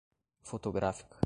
fotográfica